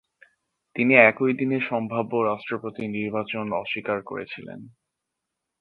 তিনি একই দিনে সম্ভাব্য রাষ্ট্রপতি নির্বাচন অস্বীকার করেছিলেন।